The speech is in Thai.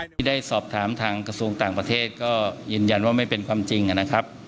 ที่ได้สอบถามทางกระทรวงต่างประเทศก็ยืนยันว่าไม่เป็นความจริงนะครับ